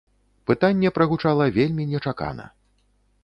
Пытанне прагучала вельмі нечакана.